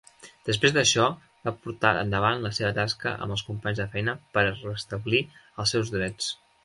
Després d'això, va portar endavant la seva tasca amb els companys de feina per restablir els seus drets.